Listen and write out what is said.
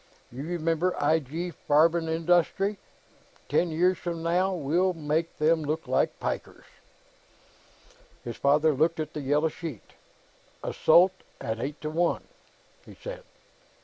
You remember I. G. Farbenindustrie? Ten years from now, we'll make them look like pikers." His father looked at the yellow sheet. "Assault, at eight to one," he said.